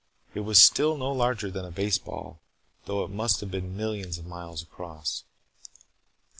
It was still no larger than a baseball, though it must have been millions of miles across.